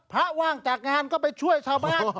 ว่างจากงานก็ไปช่วยชาวบ้าน